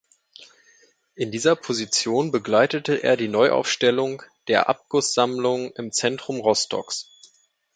In dieser Position begleitete er die Neuaufstellung der Abgusssammlung im Zentrum Rostocks.